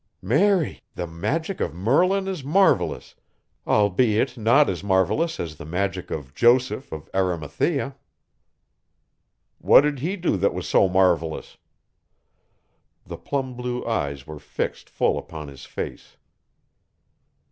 "Marry! the magic of Merlin is marvelous, albeit not as marvelous as the magic of Joseph of Arimathea." "What did he do that was so marvelous?" The plum blue eyes were fixed full upon his face.